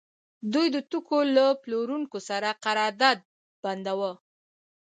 دوی د توکو له پلورونکو سره قرارداد بنداوه